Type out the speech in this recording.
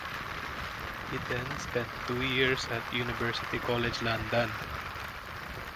He then spent two years at University College London.